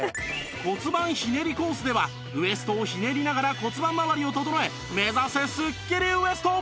骨盤ひねりコースではウエストをひねりながら骨盤まわりを整え目指せスッキリウエスト！